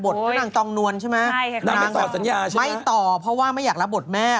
เพราะนางตองนวลใช่ไหมนางตอบสัญญาใช่ไหมไม่ต่อเพราะว่าไม่อยากรับบทแม่